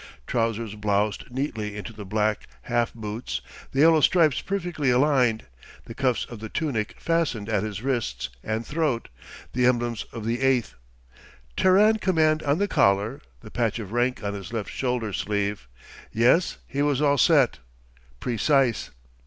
Trousers bloused neatly into the black, half boots, the yellow stripes perfectly aligned, the cuffs of the tunic fastened at his wrists and throat, the emblems of the 8th. Terran Command on the collar, the patch of rank on his left shoulder sleeve. Yes, he was all set. Precise.